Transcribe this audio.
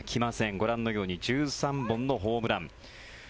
ご覧のように１３本のホームラン。